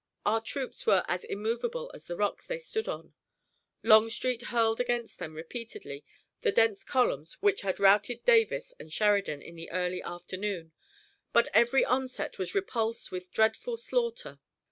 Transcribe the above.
Our troops were as immovable as the rocks they stood on. Longstreet hurled against them repeatedly the dense columns which had routed Davis and Sheridan in the early afternoon, but every onset was repulsed with dreadful slaughter.